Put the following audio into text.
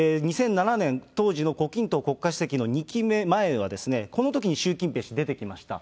２００７年、当時の胡錦涛国家主席の２期目前は、このときに習近平氏出てきました。